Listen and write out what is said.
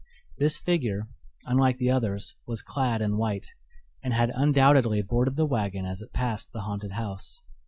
This figure, unlike the others, was clad in white, and had undoubtedly boarded the wagon as it passed the haunted house.